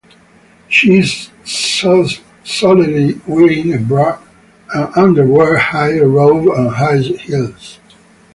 She is solely wearing a bra and underwear with a robe and high heels.